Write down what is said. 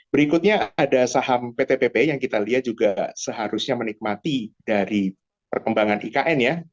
berikutnya ada saham pt pp yang kita lihat juga seharusnya menikmati dari perkembangan ikn ya